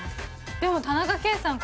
でも田中圭さん